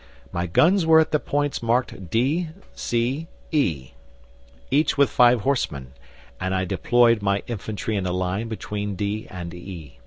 My guns were at the points marked D C E, each with five horsemen, and I deployed my infantry in a line between D and E.